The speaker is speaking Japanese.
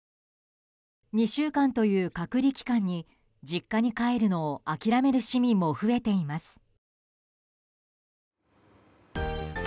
２週間という隔離期間に実家に帰るのを諦める市民も増えています。